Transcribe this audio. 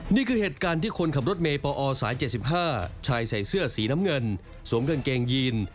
นี่คือเหตุการณ์ที่คนขับรถเมย์ปอสาย๗๕ชายใส่เสื้อสีน้ำเงินสวมกางเกงยีน